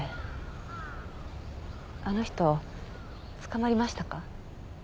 あの人捕まりましたか？